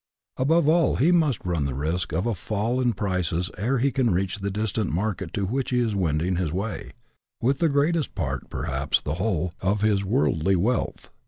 Above all, he must run the risk of a fall in prices ere he can reach the distant market to which he is wending his way, with the greatest part, perhaps the whole, of his worldly wealth.